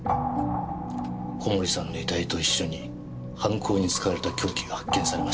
小森さんの遺体と一緒に犯行に使われた凶器が発見されましてね。